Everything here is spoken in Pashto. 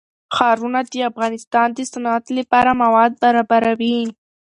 ښارونه د افغانستان د صنعت لپاره مواد برابروي.